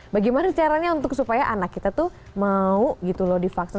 bagaimana caranya untuk supaya anak kita tuh mau gitu loh di vaksin